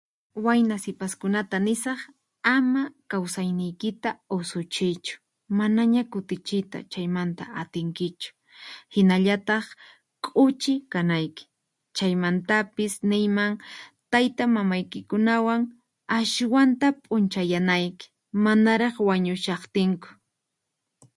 Wayna sipaskunata nisaq ama kawsayniykita usuchiychu manaña kutichiyta chaymanta atinkichu, hinallataq k'uchi kanayqi, chaymantapis niyman taytamamaykikunawan aswanta p'unchayanayki manaraq wañushaqtinku.